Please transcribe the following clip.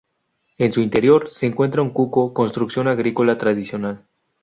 En su interior se encuentra un cuco, construcción agrícola tradicional.